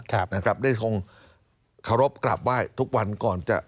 ครับนะครับได้ทรงเคารพกราบไหว้ทุกวันก่อนจะ